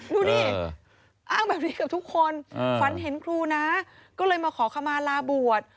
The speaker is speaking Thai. ดูดิอ้างแบบนี้กับทุกคนฝันเห็นครูนะก็เลยมาขอขมาลาบวช